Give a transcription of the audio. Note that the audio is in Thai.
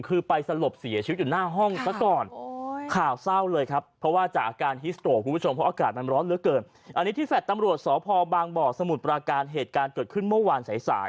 คือไปสลบเสียชีวิตอยู่หน้าห้องซะก่อน